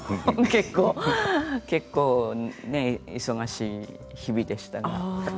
結構忙しい日々でしたから。